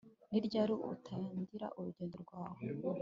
Ni ryari utangira urugendo rwawe